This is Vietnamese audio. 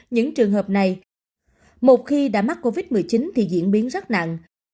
những trường hợp này một khi đã mắc covid một mươi chín thì diễn biến rất nặng